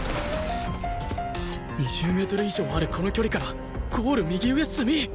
２０メートル以上あるこの距離からゴール右上隅！？